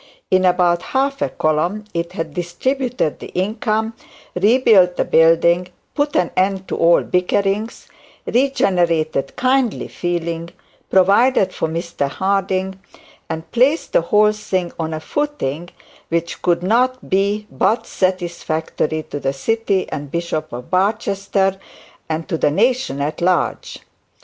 In about half a column it had distributed the income, rebuilt the building, put an end to all bickerings, regenerated kindly feeling, provided for Mr Harding, and placed the whole thing on a footing which could not but be satisfactory to the city and Bishop of Barchester, and to the nation at large.